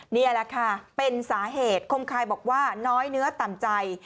นี่แหละค่ะเป็นสาเหตุคมคายบอกว่าน้อยเนื้อต่ำใจ